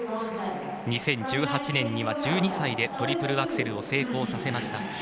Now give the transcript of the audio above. ２０１８年には１２歳でトリプルアクセルを成功させました。